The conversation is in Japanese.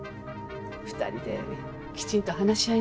２人できちんと話し合いなさい。